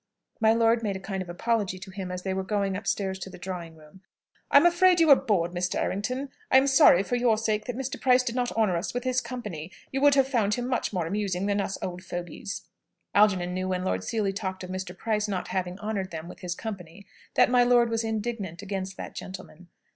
My lord made a kind of apology to him, as they were going upstairs to the drawing room. "I'm afraid you were bored, Mr. Errington. I am sorry, for your sake, that Mr. Price did not honour us with his company. You would have found him much more amusing than us old fogies." Algernon knew, when Lord Seely talked of Mr. Price not having honoured them with his company, that my lord was indignant against that gentleman.